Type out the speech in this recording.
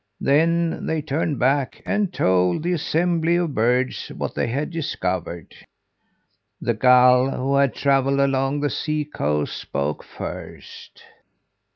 Then they turned back and told the assembly of birds what they had discovered. "The gull, who had travelled along the sea coast, spoke first.